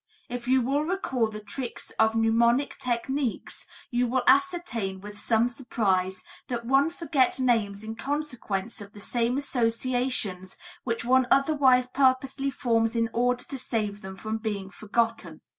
If you will recall the tricks of mnemonic technique you will ascertain with some surprise that one forgets names in consequence of the same associations which one otherwise purposely forms in order to save them from being forgotten.